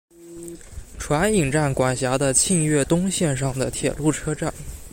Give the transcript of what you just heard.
船引站管辖的磐越东线上的铁路车站。